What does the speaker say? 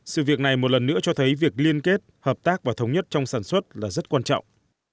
sự việc này một lần nữa cho thấy việc liên kết hợp tác và thống nhất trong sản xuất là rất quan trọng